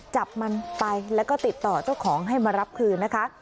จับมันไปแล้วก็ติดต่อเจ้าของให้มารับคืนนะคะ